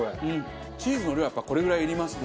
チーズの量はやっぱりこれぐらいいりますね。